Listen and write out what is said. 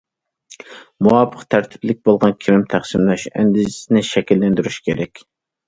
مۇۋاپىق، تەرتىپلىك بولغان كىرىم تەقسىملەش ئەندىزىسىنى شەكىللەندۈرۈش كېرەك.